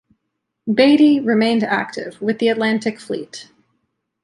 "Beatty" remained active with the Atlantic Fleet.